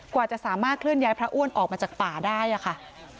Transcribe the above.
กว่าจะสามารถเคลื่อนย้ายพระอ้วนออกมาจากป่าได้ค่ะ